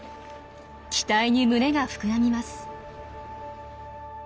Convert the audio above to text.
期待に胸が膨らみます。